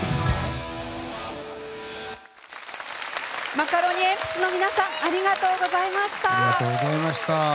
マカロニえんぴつの皆さんありがとうございました。